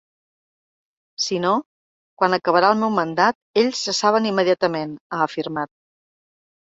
Si no, quan acabara el meu mandat, ells cessaven immediatament, ha afirmat.